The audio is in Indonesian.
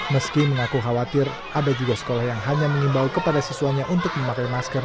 meski mengaku khawatir ada juga sekolah yang hanya mengimbau kepada siswanya untuk memakai masker